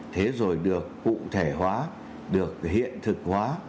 thế rồi được cụ thể hóa được hiện thực hóa